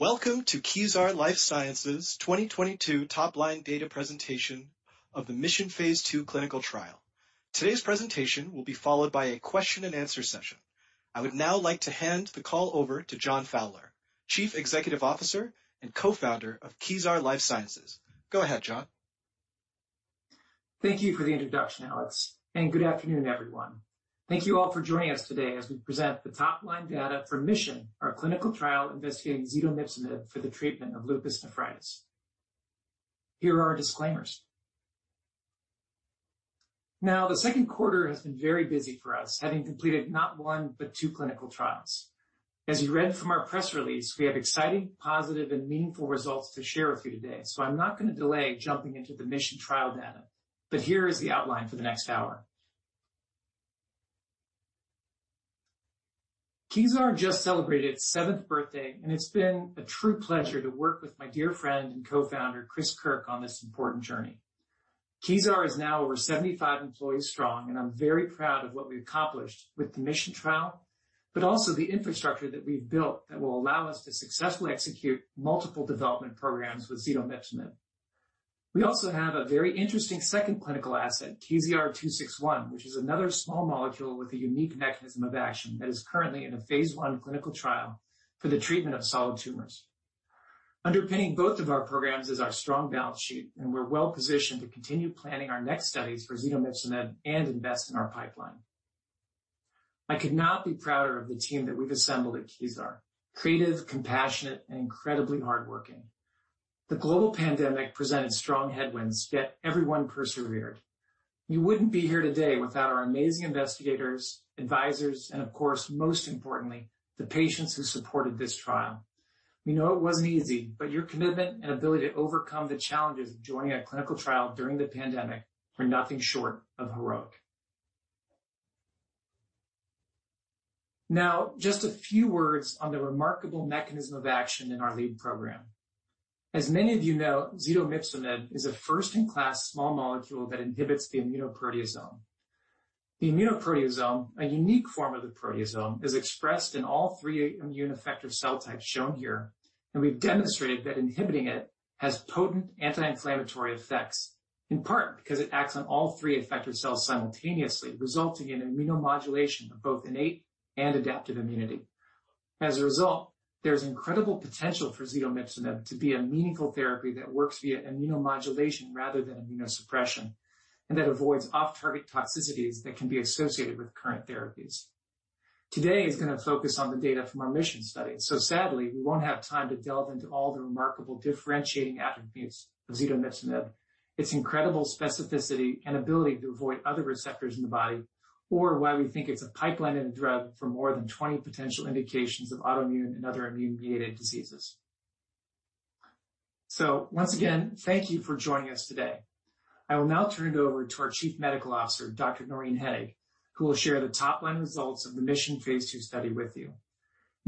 Welcome to Kezar Life Sciences 2022 top-line data presentation of the MISSION Phase 2 clinical trial. Today's presentation will be followed by a question and answer session. I would now like to hand the call over to John Fowler, Chief Executive Officer and Co-founder of Kezar Life Sciences. Go ahead, John. Thank you for the introduction, Alex, and good afternoon, everyone. Thank you all for joining us today as we present the top-line data for MISSION, our clinical trial investigating zetomipzomib for the treatment of lupus nephritis. Here are our disclaimers. Now, the second quarter has been very busy for us, having completed not one but two clinical trials. As you read from our press release, we have exciting, positive, and meaningful results to share with you today, so I'm not gonna delay jumping into the MISSION trial data. Here is the outline for the next hour. Kezar just celebrated its seventh birthday, and it's been a true pleasure to work with my dear friend and co-founder, Chris Kirk, on this important journey. Kezar is now over 75 employees strong, and I'm very proud of what we've accomplished with the MISSION trial, but also the infrastructure that we've built that will allow us to successfully execute multiple development programs with zetomipzomib. We also have a very interesting second clinical asset, KZR-261, which is another small molecule with a unique mechanism of action that is currently in a phase 1 clinical trial for the treatment of solid tumors. Underpinning both of our programs is our strong balance sheet, and we're well-positioned to continue planning our next studies for zetomipzomib and invest in our pipeline. I could not be prouder of the team that we've assembled at Kezar. Creative, compassionate, and incredibly hardworking. The global pandemic presented strong headwinds, yet everyone persevered. We wouldn't be here today without our amazing investigators, advisors, and of course, most importantly, the patients who supported this trial. We know it wasn't easy, but your commitment and ability to overcome the challenges of joining a clinical trial during the pandemic were nothing short of heroic. Now, just a few words on the remarkable mechanism of action in our lead program. As many of you know, zetomipzomib is a first-in-class small molecule that inhibits the immunoproteasome. The immunoproteasome, a unique form of the proteasome, is expressed in all three immune effector cell types shown here, and we've demonstrated that inhibiting it has potent anti-inflammatory effects, in part because it acts on all three effector cells simultaneously, resulting in immunomodulation of both innate and adaptive immunity. As a result, there's incredible potential for zetomipzomib to be a meaningful therapy that works via immunomodulation rather than immunosuppression, and that avoids off-target toxicities that can be associated with current therapies. Today is gonna focus on the data from our MISSION study, so sadly, we won't have time to delve into all the remarkable differentiating attributes of zetomipzomib, its incredible specificity and ability to avoid other receptors in the body, or why we think it's a pipeline in a drug for more than 20 potential indications of autoimmune and other immune-mediated diseases. Once again, thank you for joining us today. I will now turn it over to our Chief Medical Officer, Dr. Noreen Roth Henig, who will share the top-line results of the MISSION Phase 2 study with you.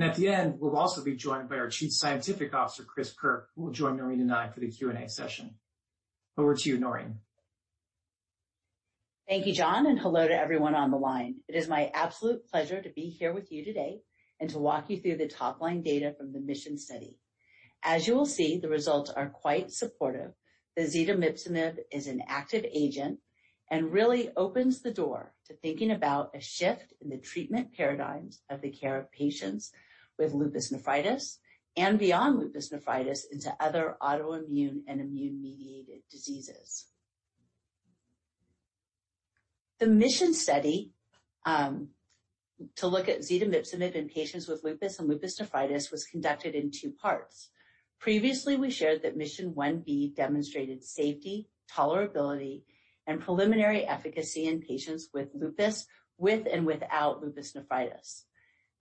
At the end, we'll also be joined by our Chief Scientific Officer, Chris Kirk, who will join Noreen and I for the Q&A session. Over to you, Noreen. Thank you, John, and hello to everyone on the line. It is my absolute pleasure to be here with you today and to walk you through the top-line data from the MISSION study. As you will see, the results are quite supportive that zetomipzomib is an active agent and really opens the door to thinking about a shift in the treatment paradigms of the care of patients with lupus nephritis and beyond lupus nephritis into other autoimmune and immune-mediated diseases. The MISSION study to look at zetomipzomib in patients with lupus and lupus nephritis was conducted in two parts. Previously, we shared that MISSION Phase 1b demonstrated safety, tolerability, and preliminary efficacy in patients with lupus with and without lupus nephritis.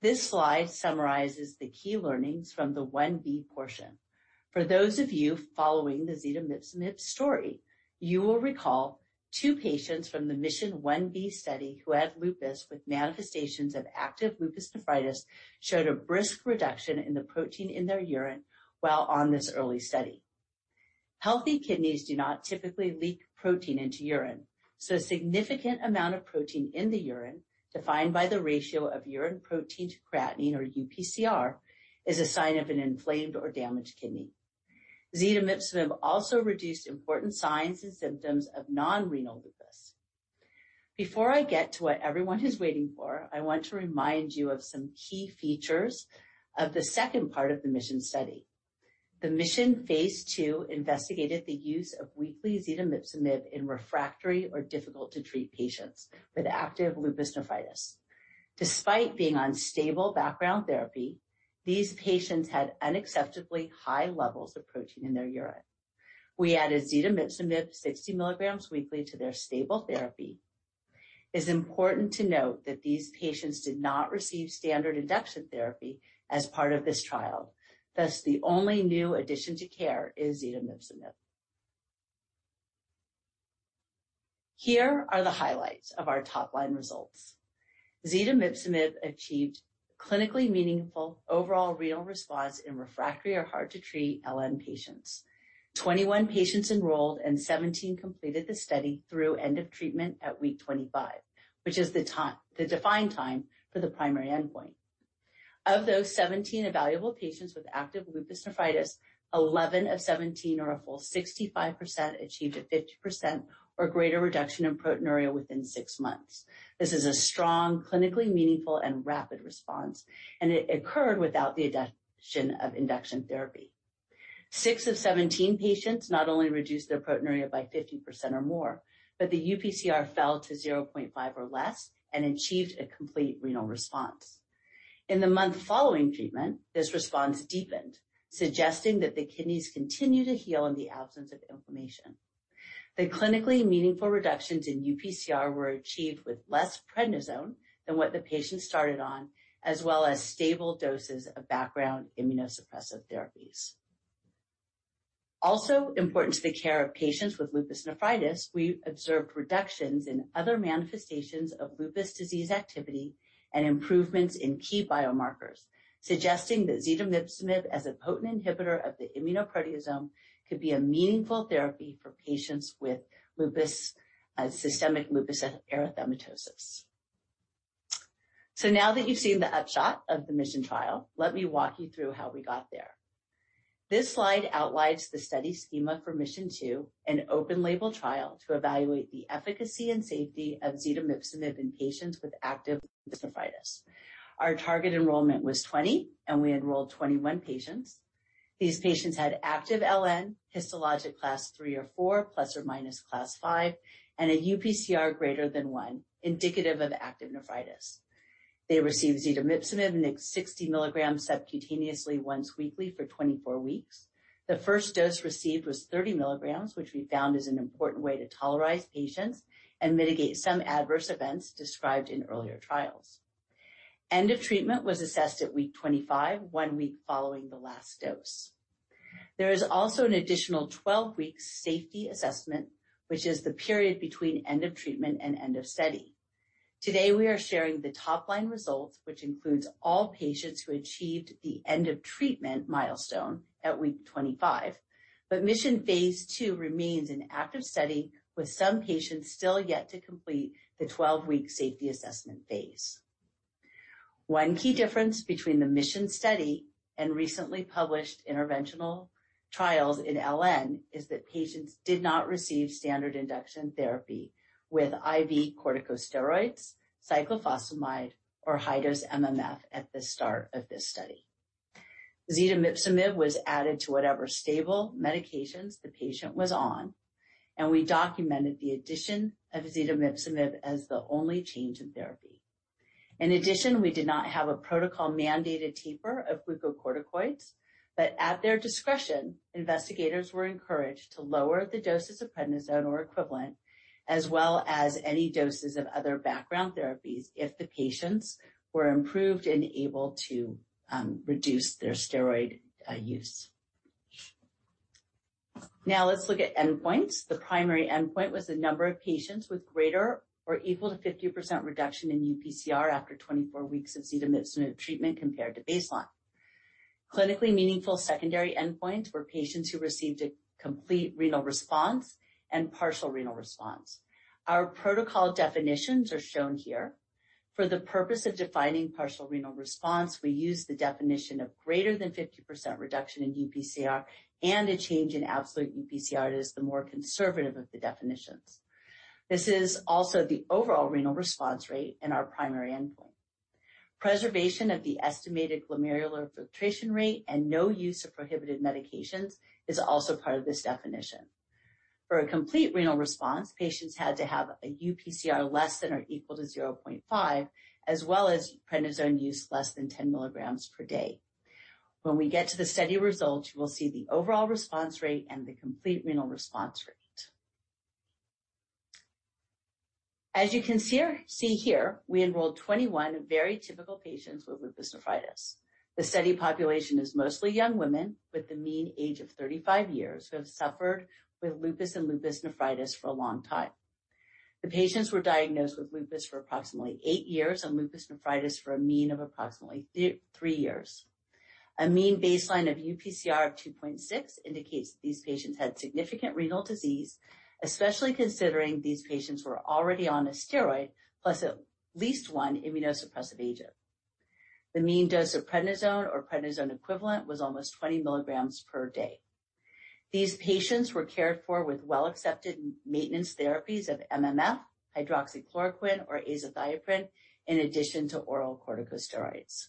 This slide summarizes the key learnings from the Phase 1b portion. For those of you following the zetomipzomib story, you will recall two patients from the MISSION Phase 1b study who had lupus with manifestations of active lupus nephritis showed a brisk reduction in the protein in their urine while on this early study. Healthy kidneys do not typically leak protein into urine, so a significant amount of protein in the urine, defined by the ratio of urine protein to creatinine or UPCR, is a sign of an inflamed or damaged kidney. Zetomipzomib also reduced important signs and symptoms of non-renal lupus. Before I get to what everyone is waiting for, I want to remind you of some key features of the second part of the MISSION study. The MISSION Phase 2 investigated the use of weekly zetomipzomib in refractory or difficult to treat patients with active lupus nephritis. Despite being on stable background therapy, these patients had unacceptably high levels of protein in their urine. We added zetomipzomib 60 milligrams weekly to their stable therapy. It's important to note that these patients did not receive standard induction therapy as part of this trial. Thus, the only new addition to care is zetomipzomib. Here are the highlights of our top-line results. Zetomipzomib achieved clinically meaningful overall renal response in refractory or hard to treat LN patients. 21 patients enrolled, and 17 completed the study through end of treatment at week 25, which is the defined time for the primary endpoint. Of those 17 evaluable patients with active lupus nephritis, 11 of 17 or a full 65% achieved a 50% or greater reduction in proteinuria within six months. This is a strong, clinically meaningful, and rapid response, and it occurred without the addition of induction therapy. Six of 17 patients not only reduced their proteinuria by 50% or more, but the UPCR fell to 0.5 or less and achieved a complete renal response. In the month following treatment, this response deepened, suggesting that the kidneys continue to heal in the absence of inflammation. The clinically meaningful reductions in UPCR were achieved with less prednisone than what the patient started on, as well as stable doses of background immunosuppressive therapies. Also important to the care of patients with lupus nephritis, we observed reductions in other manifestations of lupus disease activity and improvements in key biomarkers, suggesting that zetomipzomib as a potent inhibitor of the immunoproteasome could be a meaningful therapy for patients with lupus, systemic lupus erythematosus. Now that you've seen the upshot of the MISSION trial, let me walk you through how we got there. This slide outlines the study schema for MISSION Phase 2, an open-label trial to evaluate the efficacy and safety of zetomipzomib in patients with active lupus nephritis. Our target enrollment was 20, and we enrolled 21 patients. These patients had active LN, histologic Class III or IV, ± Class V, and a UPCR greater than one, indicative of active nephritis. They received zetomipzomib 60 milligrams subcutaneously once weekly for 24 weeks. The first dose received was 30 milligrams, which we found is an important way to tolerize patients and mitigate some adverse events described in earlier trials. End of treatment was assessed at week 25, one week following the last dose. There is also an additional 12 weeks safety assessment, which is the period between end of treatment and end of study. Today, we are sharing the top-line results, which includes all patients who achieved the end of treatment milestone at week 25. MISSION Phase 2 remains an active study with some patients still yet to complete the 12-week safety assessment phase. One key difference between the MISSION study and recently published interventional trials in LN is that patients did not receive standard induction therapy with IV corticosteroids, cyclophosphamide, or high-dose MMF at the start of this study. Zetomipzomib was added to whatever stable medications the patient was on, and we documented the addition of zetomipzomib as the only change in therapy. In addition, we did not have a protocol-mandated taper of glucocorticoids, but at their discretion, investigators were encouraged to lower the doses of prednisone or equivalent, as well as any doses of other background therapies if the patients were improved and able to reduce their steroid use. Now, let's look at endpoints. The primary endpoint was the number of patients with greater than or equal to 50% reduction in UPCR after 24 weeks of zetomipzomib treatment compared to baseline. Clinically meaningful secondary endpoints were patients who received a complete renal response and partial renal response. Our protocol definitions are shown here. For the purpose of defining partial renal response, we use the definition of greater than 50% reduction in UPCR and a change in absolute UPCR is the more conservative of the definitions. This is also the overall renal response rate and our primary endpoint. Preservation of the estimated glomerular filtration rate and no use of prohibited medications is also part of this definition. For a complete renal response, patients had to have a UPCR less than or equal to 0.5, as well as prednisone use less than 10 milligrams per day. When we get to the study results, you will see the overall response rate and the complete renal response rate. As you can see here, we enrolled 21 very typical patients with lupus nephritis. The study population is mostly young women with the mean age of 35 years who have suffered with lupus and lupus nephritis for a long time. The patients were diagnosed with lupus for approximately eight years and lupus nephritis for a mean of approximately three years. A mean baseline of UPCR of 2.6 indicates these patients had significant renal disease, especially considering these patients were already on a steroid plus at least one immunosuppressive agent. The mean dose of prednisone or prednisone equivalent was almost 20 milligrams per day. These patients were cared for with well-accepted maintenance therapies of MMF, hydroxychloroquine, or azathioprine, in addition to oral corticosteroids.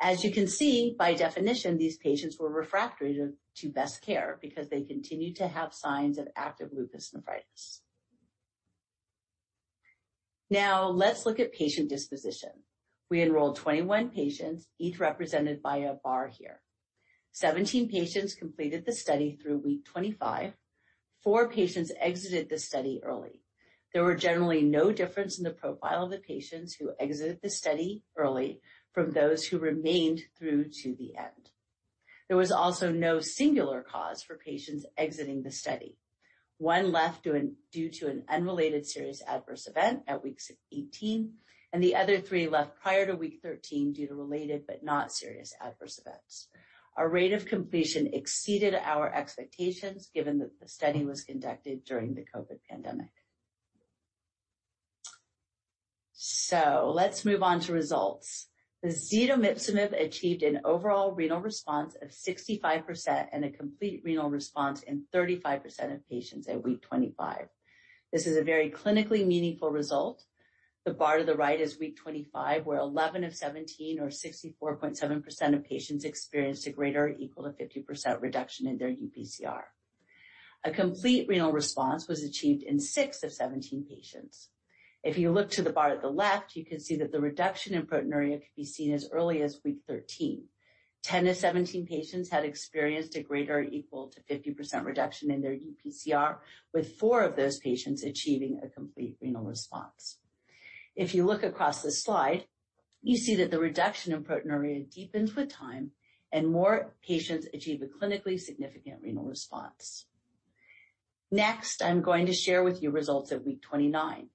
As you can see, by definition, these patients were refractory to best care because they continued to have signs of active lupus nephritis. Now, let's look at patient disposition. We enrolled 21 patients, each represented by a bar here. 17 patients completed the study through week 25. Four patients exited the study early. There were generally no difference in the profile of the patients who exited the study early from those who remained through to the end. There was also no singular cause for patients exiting the study. One left due to an unrelated serious adverse event at week 18, and the other three left prior to week 13 due to related but not serious adverse events. Our rate of completion exceeded our expectations, given that the study was conducted during the COVID pandemic. Let's move on to results. The zetomipzomib achieved an overall renal response of 65% and a complete renal response in 35% of patients at week 25. This is a very clinically meaningful result. The bar to the right is week 25, where 11 of 17 or 64.7% of patients experienced a greater or equal to 50% reduction in their UPCR. A complete renal response was achieved in six of 17 patients. If you look to the bar at the left, you can see that the reduction in proteinuria could be seen as early as week 13. 10 of 17 patients had experienced a greater or equal to 50% reduction in their UPCR, with 4 of those patients achieving a complete renal response. If you look across this slide, you see that the reduction in proteinuria deepens with time and more patients achieve a clinically significant renal response. Next, I'm going to share with you results at week 29,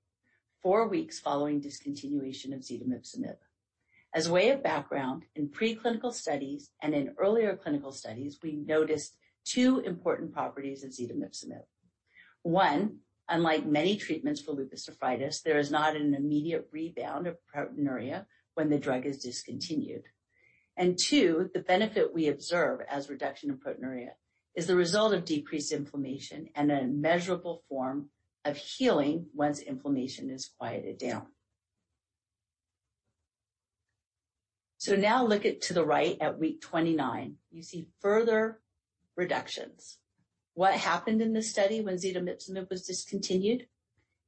four weeks following discontinuation of zetomipzomib. As a way of background, in preclinical studies and in earlier clinical studies, we noticed two important properties of zetomipzomib. One, unlike many treatments for lupus nephritis, there is not an immediate rebound of proteinuria when the drug is discontinued. Two, the benefit we observe as reduction in proteinuria is the result of decreased inflammation and a measurable form of healing once inflammation is quieted down. Now look to the right at week 29. You see further reductions. What happened in this study when zetomipzomib was discontinued?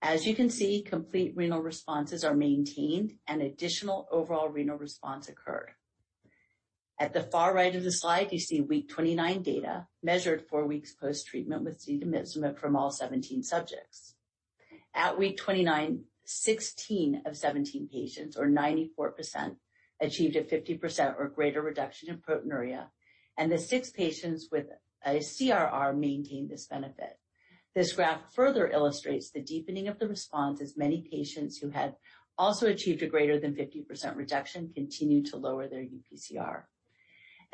As you can see, complete renal responses are maintained, and additional overall renal response occurred. At the far right of the slide, you see week 29 data measured four weeks post-treatment with zetomipzomib from all 17 subjects. At week 29, 16 of 17 patients, or 94%, achieved a 50% or greater reduction in proteinuria, and the six patients with a CRR maintained this benefit. This graph further illustrates the deepening of the response as many patients who had also achieved a greater than 50% reduction continued to lower their UPCR.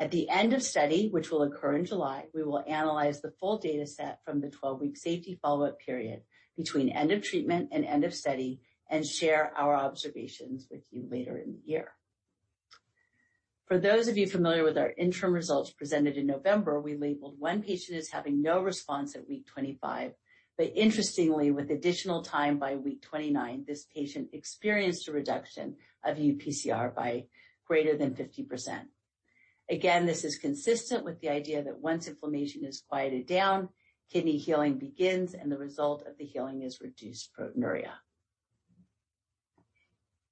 At the end of study, which will occur in July, we will analyze the full data set from the 12-week safety follow-up period between end of treatment and end of study and share our observations with you later in the year. For those of you familiar with our interim results presented in November, we labeled 1 patient as having no response at week 25. Interestingly, with additional time by week 29, this patient experienced a reduction of UPCR by greater than 50%. Again, this is consistent with the idea that once inflammation is quieted down, kidney healing begins, and the result of the healing is reduced proteinuria.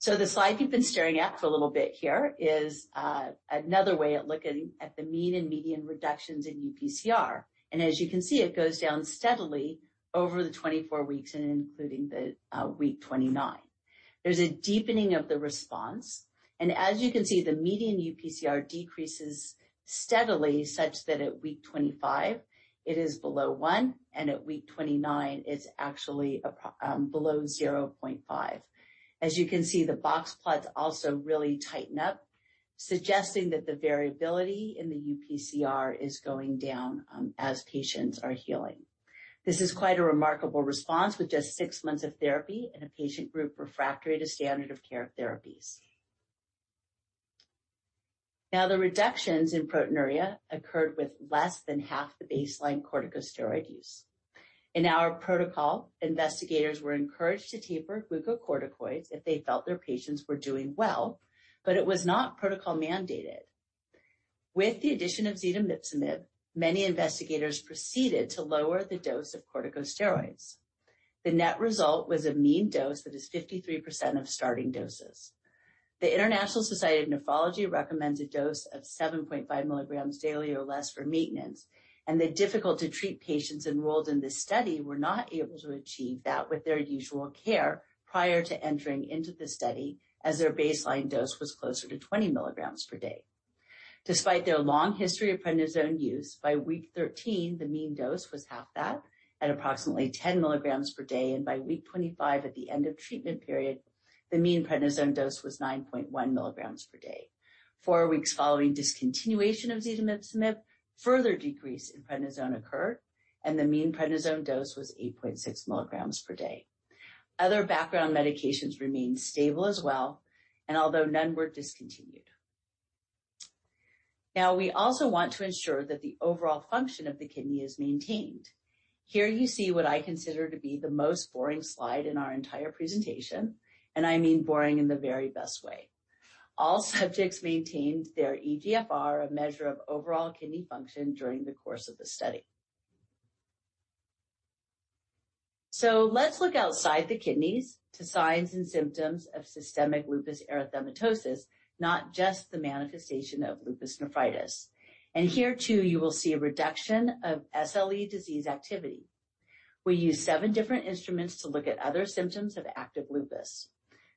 The slide you've been staring at for a little bit here is another way of looking at the mean and median reductions in UPCR. As you can see, it goes down steadily over the 24 weeks and including the week 29. There's a deepening of the response. As you can see, the median UPCR decreases steadily such that at week 25 it is below one, and at week 29 it's actually below 0.5. As you can see, the box plots also really tighten up, suggesting that the variability in the UPCR is going down as patients are healing. This is quite a remarkable response with just six months of therapy in a patient group refractory to standard of care therapies. Now, the reductions in proteinuria occurred with less than half the baseline corticosteroid use. In our protocol, investigators were encouraged to taper glucocorticoids if they felt their patients were doing well, but it was not protocol mandated. With the addition of zetomipzomib, many investigators proceeded to lower the dose of corticosteroids. The net result was a mean dose that is 53% of starting doses. The International Society of Nephrology recommends a dose of 7.5 milligrams daily or less for maintenance, and the difficult to treat patients enrolled in this study were not able to achieve that with their usual care prior to entering into the study as their baseline dose was closer to 20 milligrams per day. Despite their long history of prednisone use, by week 13 the mean dose was half that at approximately 10 milligrams per day, and by week 25 at the end of treatment period the mean prednisone dose was 9.1 milligrams per day. Four weeks following discontinuation of zetomipzomib, further decrease in prednisone occurred, and the mean prednisone dose was 8.6 milligrams per day. Other background medications remained stable as well, and although none were discontinued. Now we also want to ensure that the overall function of the kidney is maintained. Here you see what I consider to be the most boring slide in our entire presentation, and I mean boring in the very best way. All subjects maintained their eGFR, a measure of overall kidney function during the course of the study. Let's look outside the kidneys to signs and symptoms of systemic lupus erythematosus, not just the manifestation of lupus nephritis. Here too, you will see a reduction of SLE disease activity. We use seven different instruments to look at other symptoms of active lupus.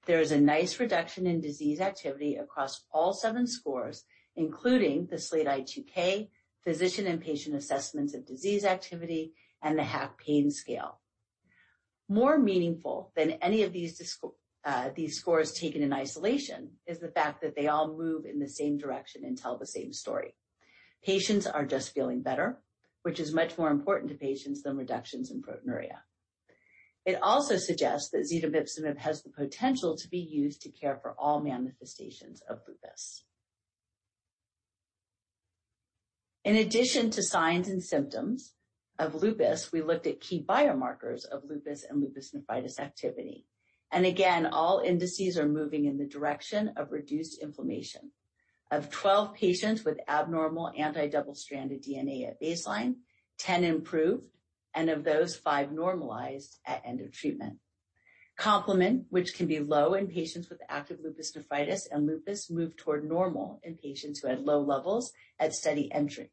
There is a nice reduction in disease activity across all seven scores, including the SLEDAI-2K, physician and patient assessments of disease activity, and the HAQ pain scale. More meaningful than any of these these scores taken in isolation is the fact that they all move in the same direction and tell the same story. Patients are just feeling better, which is much more important to patients than reductions in proteinuria. It also suggests that zetomipzomib has the potential to be used to care for all manifestations of lupus. In addition to signs and symptoms of lupus, we looked at key biomarkers of lupus and lupus nephritis activity. Again, all indices are moving in the direction of reduced inflammation. Of 12 patients with abnormal anti-double stranded DNA at baseline, 10 improved, and of those, five normalized at end of treatment. Complement, which can be low in patients with active lupus nephritis and lupus, moved toward normal in patients who had low levels at study entry.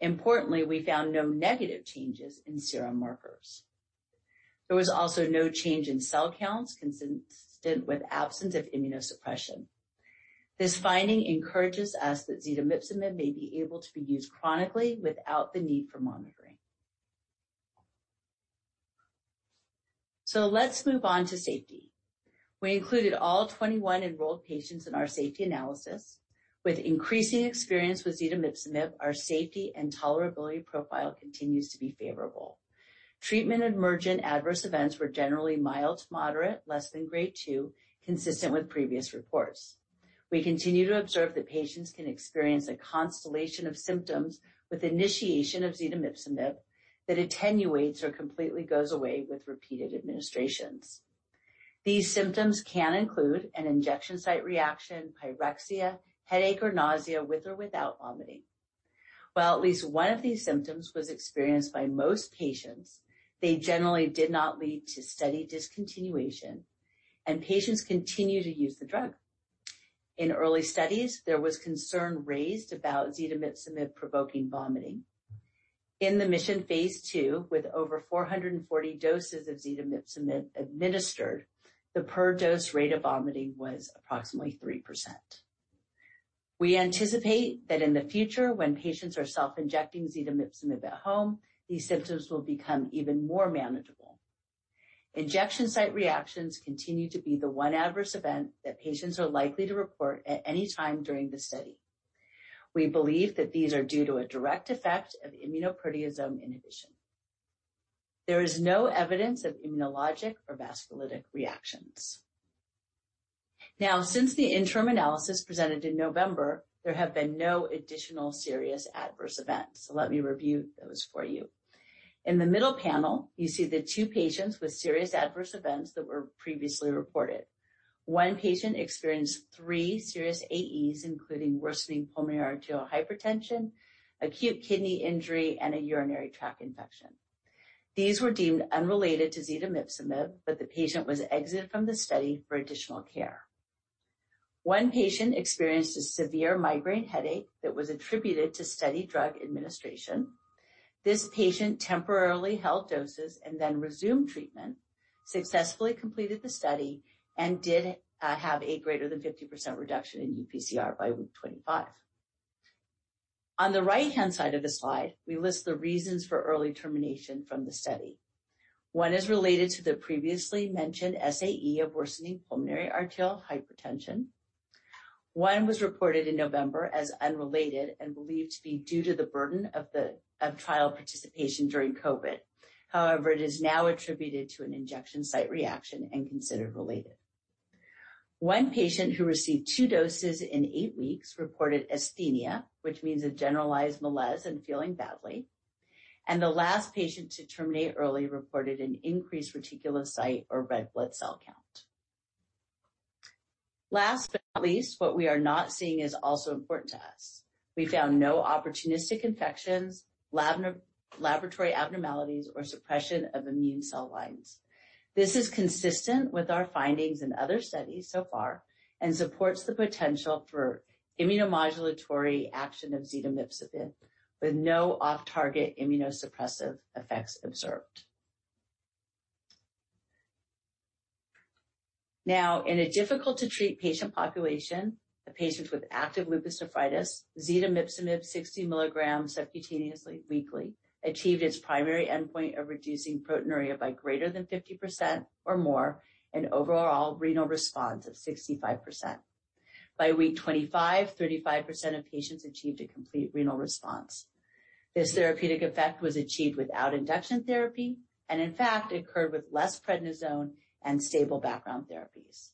Importantly, we found no negative changes in serum markers. There was also no change in cell counts consistent with absence of immunosuppression. This finding encourages us that zetomipzomib may be able to be used chronically without the need for monitoring. Let's move on to safety. We included all 21 enrolled patients in our safety analysis. With increasing experience with zetomipzomib, our safety and tolerability profile continues to be favorable. Treatment emergent adverse events were generally mild to moderate, less than grade two, consistent with previous reports. We continue to observe that patients can experience a constellation of symptoms with initiation of zetomipzomib that attenuates or completely goes away with repeated administrations. These symptoms can include an injection site reaction, pyrexia, headache or nausea with or without vomiting. While at least one of these symptoms was experienced by most patients, they generally did not lead to study discontinuation and patients continued to use the drug. In early studies, there was concern raised about zetomipzomib provoking vomiting. In the MISSION Phase 2, with over 440 doses of zetomipzomib administered, the per dose rate of vomiting was approximately 3%. We anticipate that in the future, when patients are self-injecting zetomipzomib at home, these symptoms will become even more manageable. Injection site reactions continue to be the one adverse event that patients are likely to report at any time during the study. We believe that these are due to a direct effect of immunoproteasome inhibition. There is no evidence of immunologic or vasculitic reactions. Now, since the interim analysis presented in November, there have been no additional serious adverse events. Let me review those for you. In the middle panel, you see the two patients with serious adverse events that were previously reported. One patient experienced three serious AEs, including worsening pulmonary arterial hypertension, acute kidney injury, and a urinary tract infection. These were deemed unrelated to zetomipzomib, but the patient was exited from the study for additional care. One patient experienced a severe migraine headache that was attributed to study drug administration. This patient temporarily held doses and then resumed treatment, successfully completed the study and did have a greater than 50% reduction in UPCR by week 25. On the right-hand side of the slide, we list the reasons for early termination from the study. One is related to the previously mentioned SAE of worsening pulmonary arterial hypertension. One was reported in November as unrelated and believed to be due to the burden of the trial participation during COVID. However, it is now attributed to an injection site reaction and considered related. One patient who received two doses in eight weeks reported asthenia, which means a generalized malaise and feeling badly, and the last patient to terminate early reported an increased reticulocyte or red blood cell count. Last but not least, what we are not seeing is also important to us. We found no opportunistic infections, laboratory abnormalities, or suppression of immune cell lines. This is consistent with our findings in other studies so far and supports the potential for immunomodulatory action of zetomipzomib, with no off-target immunosuppressive effects observed. In a difficult to treat patient population, the patients with active lupus nephritis, zetomipzomib 60 milligrams subcutaneously weekly achieved its primary endpoint of reducing proteinuria by greater than 50% or more and overall renal response of 65%. By week 25, 35% of patients achieved a complete renal response. This therapeutic effect was achieved without induction therapy and in fact occurred with less prednisone and stable background therapies.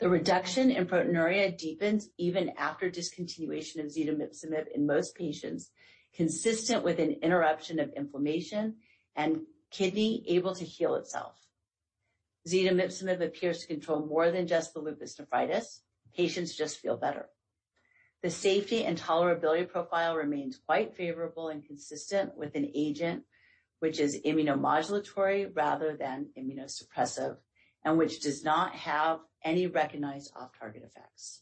The reduction in proteinuria deepens even after discontinuation of zetomipzomib in most patients, consistent with an interruption of inflammation and kidneys able to heal itself. Zetomipzomib appears to control more than just the lupus nephritis. Patients just feel better. The safety and tolerability profile remains quite favorable and consistent with an agent which is immunomodulatory rather than immunosuppressive, and which does not have any recognized off-target effects.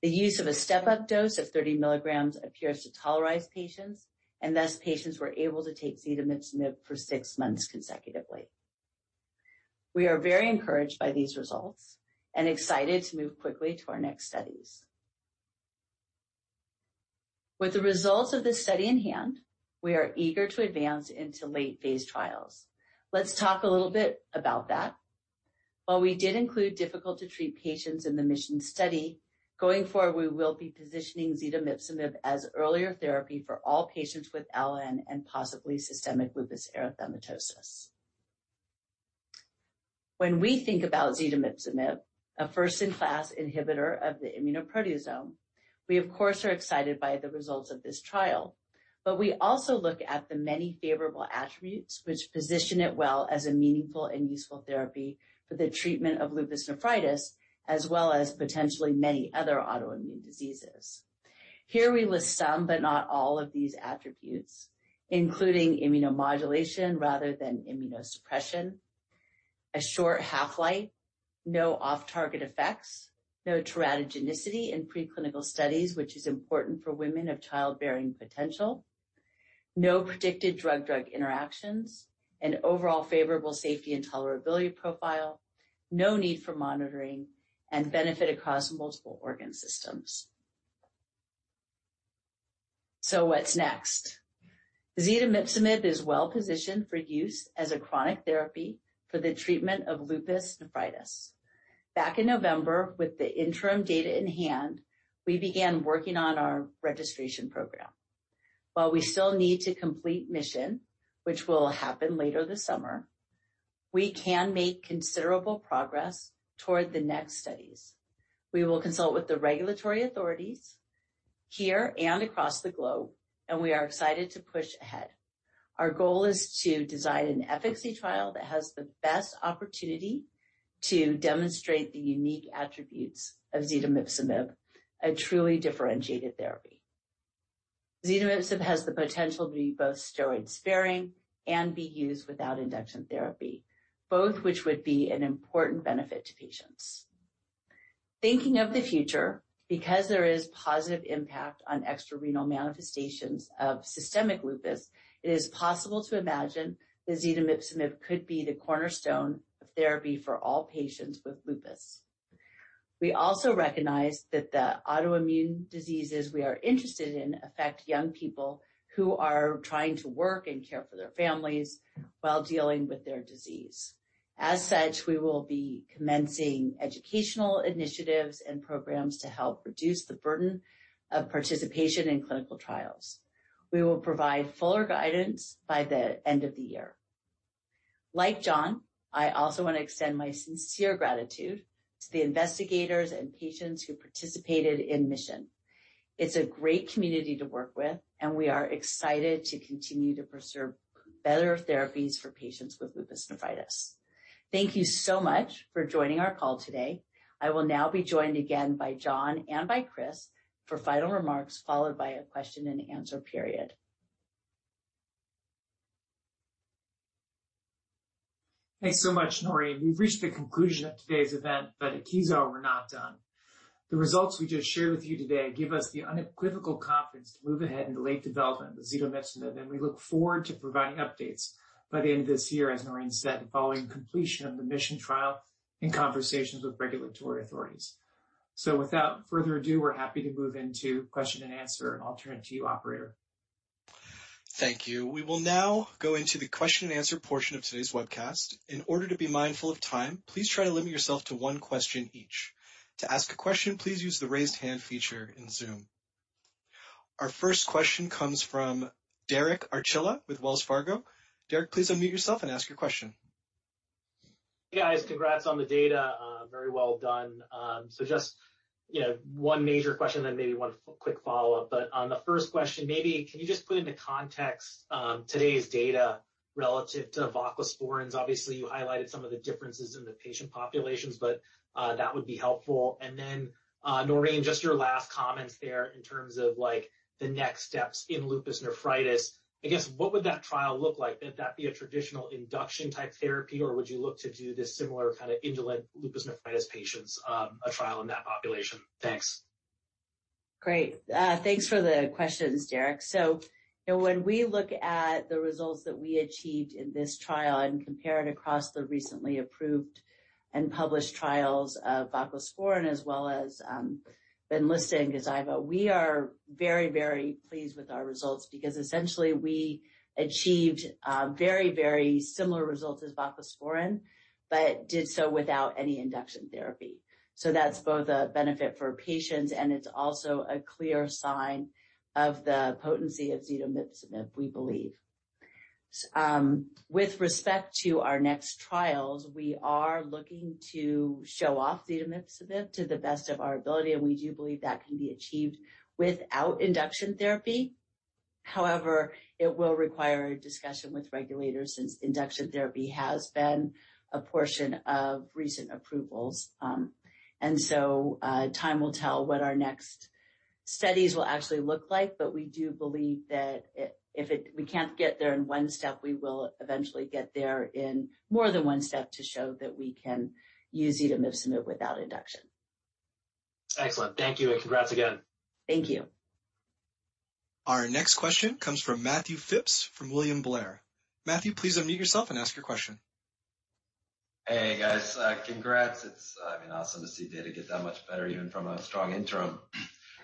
The use of a step-up dose of 30 milligrams appears to tolerize patients, and thus patients were able to take zetomipzomib for six months consecutively. We are very encouraged by these results and excited to move quickly to our next studies. With the results of this study in hand, we are eager to advance into late phase trials. Let's talk a little bit about that. While we did include difficult to treat patients in the MISSION study, going forward, we will be positioning zetomipzomib as earlier therapy for all patients with LN and possibly systemic lupus erythematosus. When we think about zetomipzomib, a first-in-class inhibitor of the immunoproteasome, we of course, are excited by the results of this trial. We also look at the many favorable attributes which position it well as a meaningful and useful therapy for the treatment of lupus nephritis, as well as potentially many other autoimmune diseases. Here we list some, but not all of these attributes, including immunomodulation rather than immunosuppression, a short half-life, no off-target effects, no teratogenicity in preclinical studies, which is important for women of childbearing potential, no predicted drug-drug interactions, an overall favorable safety and tolerability profile, no need for monitoring, and benefit across multiple organ systems. What's next? Zetomipzomib is well-positioned for use as a chronic therapy for the treatment of lupus nephritis. Back in November, with the interim data in hand, we began working on our registration program. While we still need to complete MISSION, which will happen later this summer, we can make considerable progress toward the next studies. We will consult with the regulatory authorities here and across the globe, and we are excited to push ahead. Our goal is to design an efficacy trial that has the best opportunity to demonstrate the unique attributes of zetomipzomib, a truly differentiated therapy. Zetomipzomib has the potential to be both steroid-sparing and be used without induction therapy, both which would be an important benefit to patients. Thinking of the future, because there is positive impact on extra-renal manifestations of systemic lupus, it is possible to imagine that zetomipzomib could be the cornerstone of therapy for all patients with lupus. We also recognize that the autoimmune diseases we are interested in affect young people who are trying to work and care for their families while dealing with their disease. As such, we will be commencing educational initiatives and programs to help reduce the burden of participation in clinical trials. We will provide fuller guidance by the end of the year. Like John, I also want to extend my sincere gratitude to the investigators and patients who participated in MISSION. It's a great community to work with, and we are excited to continue to pursue better therapies for patients with lupus nephritis. Thank you so much for joining our call today. I will now be joined again by John and by Chris for final remarks, followed by a question and answer period. Thanks so much, Noreen. We've reached the conclusion of today's event, but at Kezar, we're not done. The results we just shared with you today give us the unequivocal confidence to move ahead in the late development of zetomipzomib, and we look forward to providing updates by the end of this year, as Noreen said, following completion of the MISSION trial and conversations with regulatory authorities. Without further ado, we're happy to move into question and answer, and I'll turn it to you, operator. Thank you. We will now go into the question and answer portion of today's webcast. In order to be mindful of time, please try to limit yourself to one question each. To ask a question, please use the Raise Hand feature in Zoom. Our first question comes from Derek Archila with Wells Fargo. Derek, please unmute yourself and ask your question. Hey, guys. Congrats on the data. Very well done. Just, you know, one major question, then maybe one quick follow-up. On the first question, maybe can you just put into context, today's data relative to voclosporin's? Obviously, you highlighted some of the differences in the patient populations, but that would be helpful. Noreen, just your last comments there in terms of, like, the next steps in lupus nephritis. I guess, what would that trial look like? Would that be a traditional induction type therapy, or would you look to do this similar kind of indolent lupus nephritis patients, a trial in that population? Thanks. Great. Thanks for the questions, Derek. You know, when we look at the results that we achieved in this trial and compare it across the recently approved and published trials of voclosporin as well as, Benlysta and Gazyva, we are very, very pleased with our results because essentially we achieved very, very similar results as voclosporin, but did so without any induction therapy. That's both a benefit for patients, and it's also a clear sign of the potency of zetomipzomib, we believe. With respect to our next trials, we are looking to show off zetomipzomib to the best of our ability, and we do believe that can be achieved without induction therapy. However, it will require a discussion with regulators since induction therapy has been a portion of recent approvals. Time will tell what our next studies will actually look like, but we do believe that if we can't get there in one step, we will eventually get there in more than one step to show that we can use zetomipzomib without induction. Excellent. Thank you, and congrats again. Thank you. Our next question comes from Matt Phipps from William Blair. Matthew, please unmute yourself and ask your question. Hey, guys. Congrats. I mean, awesome to see data get that much better even from a strong interim.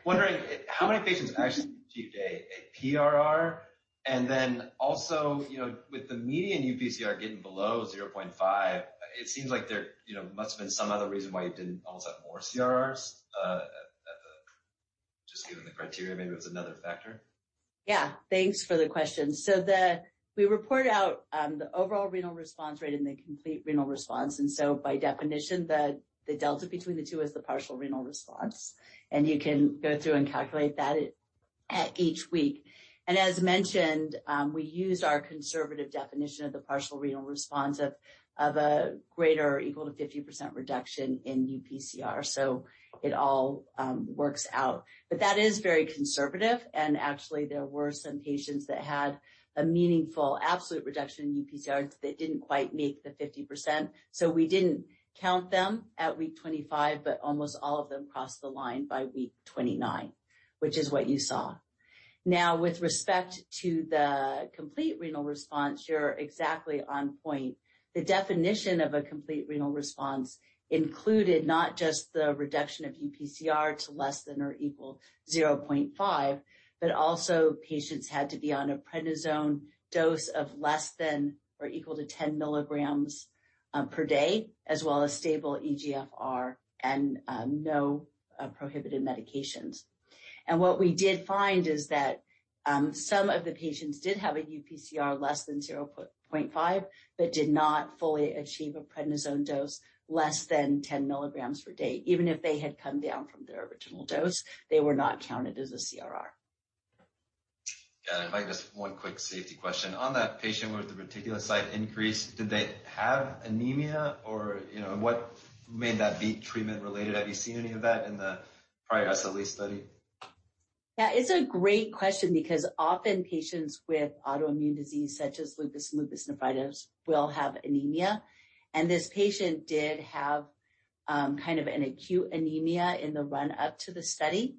Wondering how many patients actually achieved a PRR? Then also, you know, with the median UPCR getting below 0.5, it seems like there, you know, must have been some other reason why you didn't almost have more CRRs, just given the criteria, maybe it was another factor. Yeah. Thanks for the question. We report out the overall renal response rate and the complete renal response, and so by definition, the delta between the two is the partial renal response. You can go through and calculate that at each week. As mentioned, we used our conservative definition of the partial renal response of a greater or equal to 50% reduction in UPCR, so it all works out. That is very conservative, and actually there were some patients that had a meaningful absolute reduction in UPCR that didn't quite make the 50%. We didn't count them at week 25, but almost all of them crossed the line by week 29, which is what you saw. Now, with respect to the complete renal response, you're exactly on point. The definition of a complete renal response included not just the reduction of UPCR to less than or equal to 0.5, but also patients had to be on a prednisone dose of less than or equal to 10 mg per day, as well as stable eGFR and prohibited medications. What we did find is that some of the patients did have a UPCR less than 0.5, but did not fully achieve a prednisone dose less than 10 mg per day. Even if they had come down from their original dose, they were not counted as a CRR. Got it. If I could just one quick safety question. On that patient with the reticulocyte increase, did they have anemia or, you know, what may that be treatment-related? Have you seen any of that in the prior SLE study? Yeah. It's a great question because often patients with autoimmune disease such as lupus and lupus nephritis will have anemia, and this patient did have kind of an acute anemia in the run-up to the study.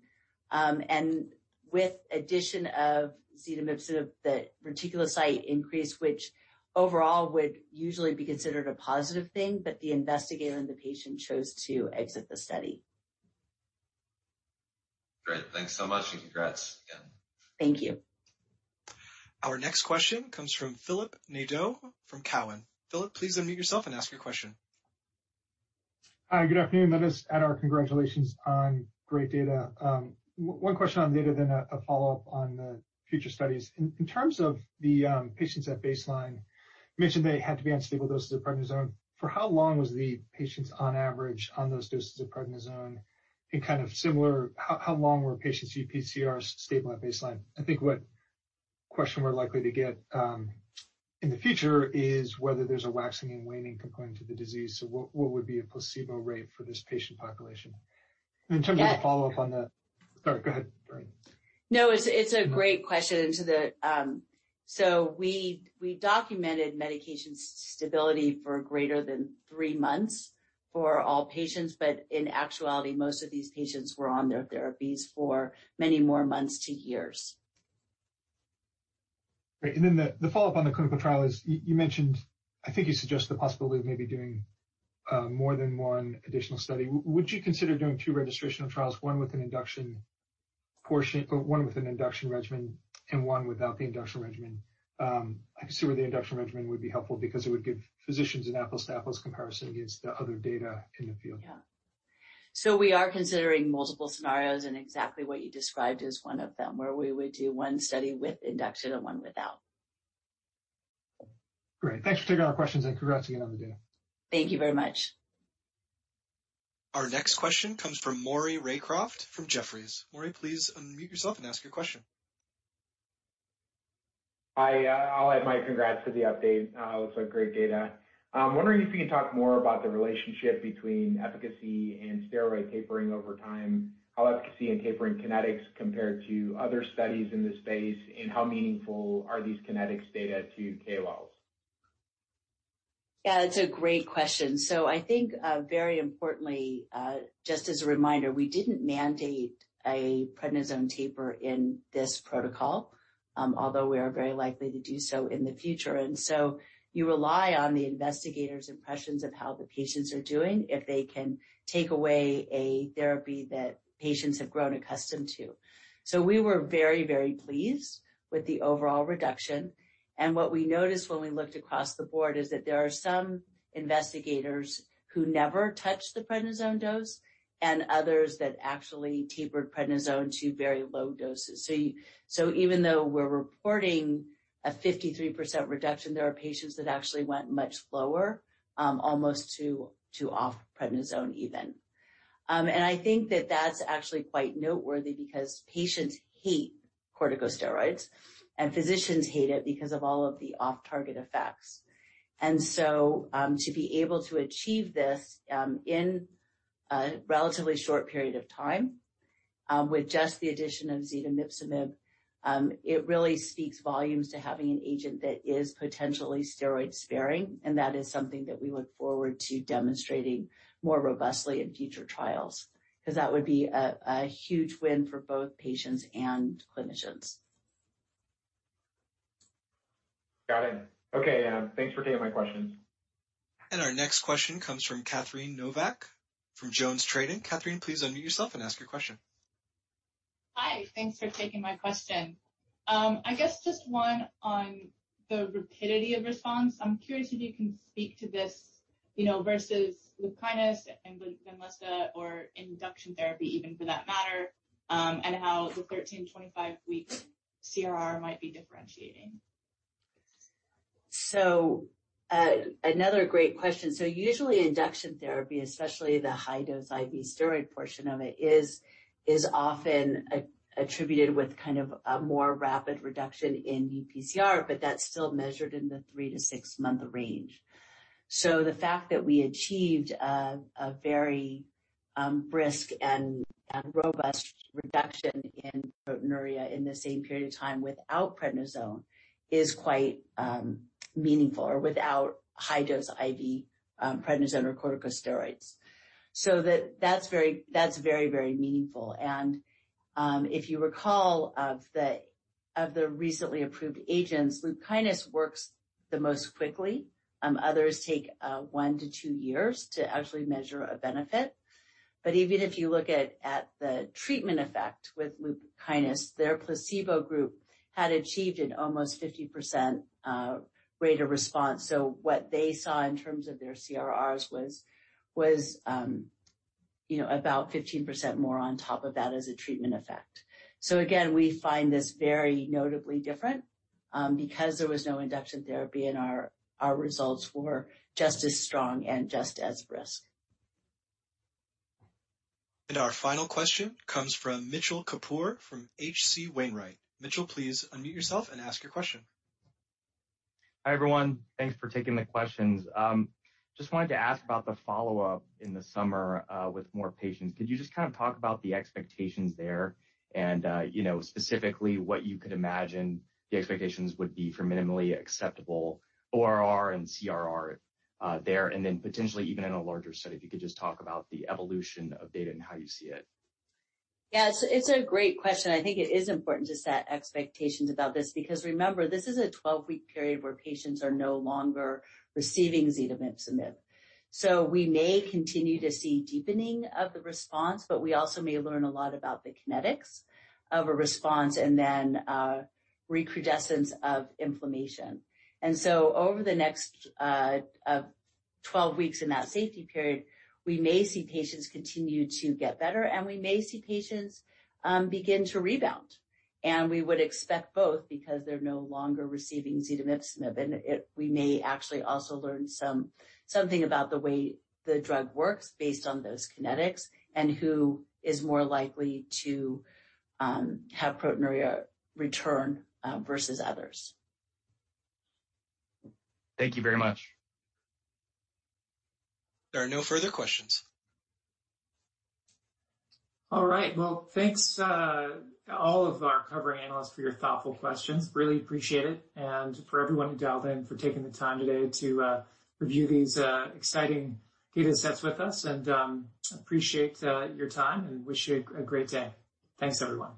With addition of zetomipzomib, the reticulocyte increase, which overall would usually be considered a positive thing, but the investigator and the patient chose to exit the study. Great. Thanks so much, and congrats again. Thank you. Our next question comes from Philip Nadeau from Cowen. Philip, please unmute yourself and ask your question. Hi, good afternoon. Let us add our congratulations on great data. One question on data then a follow-up on the future studies. In terms of the patients at baseline, you mentioned they had to be on stable doses of prednisone. For how long was the patients on average on those doses of prednisone? In kind of similar, how long were patients' UPCR stable at baseline? I think what question we're likely to get in the future is whether there's a waxing and waning component to the disease. What would be a placebo rate for this patient population? Yeah. Sorry, go ahead. Sorry. No, it's a great question. We documented medication stability for greater than three months for all patients, but in actuality, most of these patients were on their therapies for many more months to years. Great. Then the follow-up on the clinical trial is you mentioned, I think you suggested the possibility of maybe doing more than one additional study. Would you consider doing two registrational trials, one with an induction regimen and one without the induction regimen? I can see where the induction regimen would be helpful because it would give physicians an apples-to-apples comparison against the other data in the field. Yeah. We are considering multiple scenarios, and exactly what you described is one of them, where we would do one study with induction and one without. Great. Thanks for taking our questions, and congrats again on the data. Thank you very much. Our next question comes from Maury Raycroft from Jefferies. Maury, please unmute yourself and ask your question. Hi, I'll add my congrats to the update. It was a great data. Wondering if you can talk more about the relationship between efficacy and steroid tapering over time, how efficacy and tapering kinetics compare to other studies in this space, and how meaningful are these kinetics data to KOLs? Yeah, it's a great question. I think, very importantly, just as a reminder, we didn't mandate a prednisone taper in this protocol, although we are very likely to do so in the future. You rely on the investigators' impressions of how the patients are doing if they can take away a therapy that patients have grown accustomed to. We were very, very pleased with the overall reduction. What we noticed when we looked across the board is that there are some investigators who never touched the prednisone dose and others that actually tapered prednisone to very low doses. Even though we're reporting a 53% reduction, there are patients that actually went much lower, almost to off prednisone even. I think that that's actually quite noteworthy because patients hate corticosteroids, and physicians hate it because of all of the off-target effects. To be able to achieve this in a relatively short period of time with just the addition of zetomipzomib, it really speaks volumes to having an agent that is potentially steroid-sparing, and that is something that we look forward to demonstrating more robustly in future trials 'cause that would be a huge win for both patients and clinicians. Okay, thanks for taking my question. Our next question comes from Catherine Novack from JonesTrading. Catherine, please unmute yourself and ask your question. Hi. Thanks for taking my question. I guess just one on the rapidity of response. I'm curious if you can speak to this, you know, versus LUPKYNIS and Benlysta or induction therapy even for that matter, and how the 13-25 week CRR might be differentiating? Another great question. Usually induction therapy, especially the high-dose IV steroid portion of it, is often attributed with kind of a more rapid reduction in UPCR, but that's still measured in the three to six month range. The fact that we achieved a very brisk and robust reduction in proteinuria in the same period of time without prednisone is quite meaningful or without high-dose IV prednisone or corticosteroids. That's very meaningful. If you recall the recently approved agents, LUPKYNIS works the most quickly. Others take one to two years to actually measure a benefit. Even if you look at the treatment effect with LUPKYNIS, their placebo group had achieved an almost 50% rate of response. What they saw in terms of their CRRs was you know, about 15% more on top of that as a treatment effect. Again, we find this very notably different, because there was no induction therapy and our results were just as strong and just as brisk. Our final question comes from Mitchell Kapoor from H.C. Wainwright. Mitchell, please unmute yourself and ask your question. Hi, everyone. Thanks for taking the questions. Just wanted to ask about the follow-up in the summer with more patients. Could you just kind of talk about the expectations there and, you know, specifically what you could imagine the expectations would be for minimally acceptable ORR and CRR there? Potentially even in a larger study, if you could just talk about the evolution of data and how you see it. Yeah. It's a great question. I think it is important to set expectations about this because remember, this is a 12-week period where patients are no longer receiving zetomipzomib. We may continue to see deepening of the response, but we also may learn a lot about the kinetics of a response and then recrudescence of inflammation. Over the next 12 weeks in that safety period, we may see patients continue to get better, and we may see patients begin to rebound. We would expect both because they're no longer receiving zetomipzomib. We may actually also learn something about the way the drug works based on those kinetics and who is more likely to have proteinuria return versus others. Thank you very much. There are no further questions. All right. Well, thanks, all of our covering analysts for your thoughtful questions. Really appreciate it and for everyone who dialed in, for taking the time today to review these exciting data sets with us. Appreciate your time and wish you a great day. Thanks, everyone.